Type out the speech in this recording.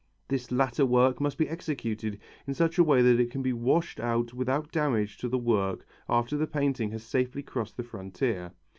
This latter work must be executed in such a way that it can be washed out without damage to the work after the painting has safely crossed the frontier.